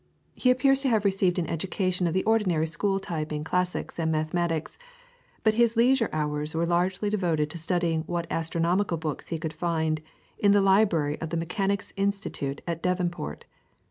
He appears to have received an education of the ordinary school type in classics and mathematics, but his leisure hours were largely devoted to studying what astronomical books he could find in the library of the Mechanics' Institute at Devonport.